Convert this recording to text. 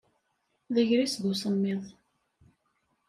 D agris d usemmiḍ.